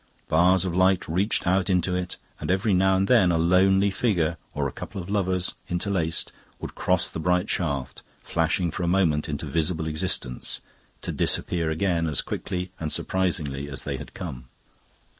Bars of light reached out into it, and every now and then a lonely figure or a couple of lovers, interlaced, would cross the bright shaft, flashing for a moment into visible existence, to disappear again as quickly and surprisingly as they had come.